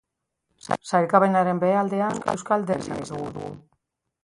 Sailkapenaren behealdean euskal derbia izango dugu.